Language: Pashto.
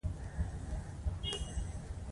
افغانستان کې د وحشي حیواناتو د پرمختګ هڅې روانې دي.